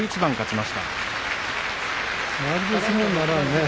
まるで相撲にならんね。